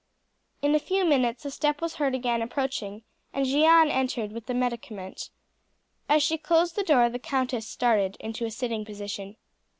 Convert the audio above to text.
In a few minutes a step was again heard approaching, and Jeanne entered with the medicament. As she closed the door the countess started into a sitting position.